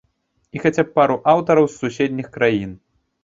І хаця б пару аўтараў з суседніх краін.